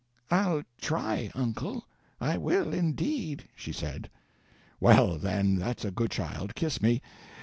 "I'll try, uncle; I will, indeed," she said. "Well, then, that's a good child—kiss me.